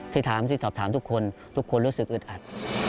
ที่ถามทุกคนทุกคนรู้สึกอึดอัด